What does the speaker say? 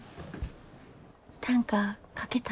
短歌書けた？